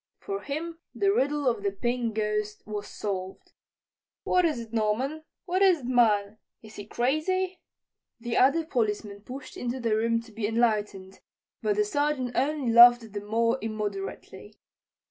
For him the riddle of the Pink Ghost was solved. "What is it, Norman? What is it, man? Is he crazy?" The other policemen pushed into the room to be enlightened, but the Sergeant only laughed the more immoderately.